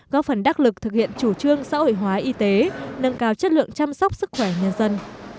góp phần đắc lực thực hiện chủ trương xã hội hóa y tế nâng cao chất lượng chăm sóc sức khỏe nhân dân